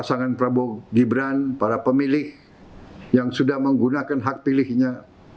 pasangan prabowo gibran para pemilih yang sudah menggunakan hak pilihnya